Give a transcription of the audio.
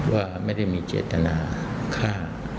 ว่าไม่ได้มีเจตนาฆ่า